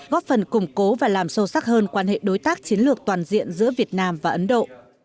góp phần củng cố và làm sâu sắc hơn quan hệ đối tác chiến lược toàn diện giữa việt nam và ấn độ